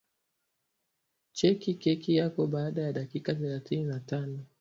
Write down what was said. cheki keki yako baada ya dakika thelathini na tano